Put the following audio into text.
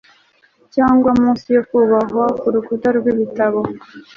Cyangwa munsi yo kubambwa kurukuta rwibitaro